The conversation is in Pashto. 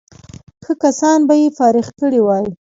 ښه کسان به یې فارغ کړي وای.